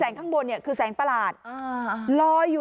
หญิงบอกว่าจะเป็นพี่ปวกหญิงบอกว่าจะเป็นพี่ปวก